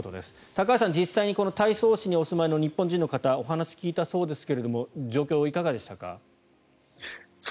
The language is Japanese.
高橋さん、実際に太倉市にお住まいの日本人の方にお話を聞いたそうですが状況、いかがでしたか？